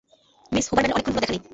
Miss হুবারম্যানের অনেকক্ষণ হল দেখা নেই।